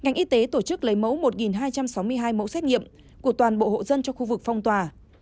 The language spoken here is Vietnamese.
ngành y tế tổ chức lấy mẫu một hai trăm sáu mươi hai mẫu xét nghiệm của toàn bộ hộ dân trong khu vực phong tỏa